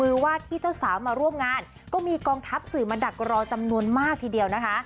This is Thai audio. ว่าที่เจ้าสาวมาร่วมงานก็มีกองทัพสื่อมาดักรอจำนวนมากทีเดียวนะคะ